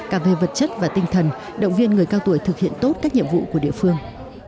cả về vật chất và tinh thần động viên người cao tuổi thực hiện tốt các nhiệm vụ của địa phương